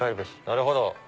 なるほど！